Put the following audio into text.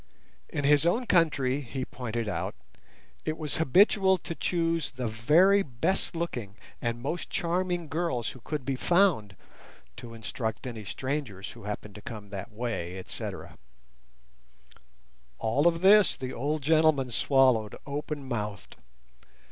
In his own country, he pointed out, it was habitual to choose the very best looking and most charming girls who could be found to instruct any strangers who happened to come that way, etc. All of this the old gentlemen swallowed open mouthed.